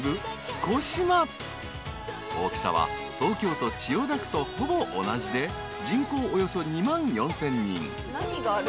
［大きさは東京千代田区とほぼ同じで人口およそ２万４，０００人］